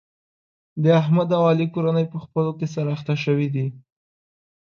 د احمد او علي کورنۍ په خپلو کې سره اخته شوې دي.